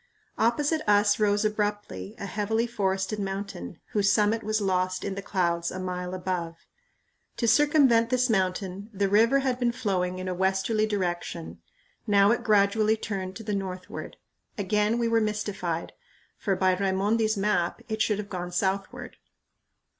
Opposite us rose abruptly a heavily forested mountain, whose summit was lost in the clouds a mile above. To circumvent this mountain the river had been flowing in a westerly direction; now it gradually turned to the northward. Again we were mystified; for, by Raimondi's map, it should have gone southward.